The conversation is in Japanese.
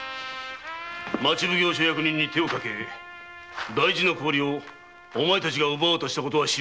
町奉行所役人を手にかけ大事な氷をお前たちが奪おうとしたことは知れてるぞ！